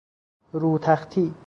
رو تختی